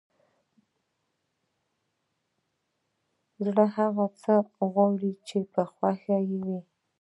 زړه هغه څه غواړي چې خوښ يې وي!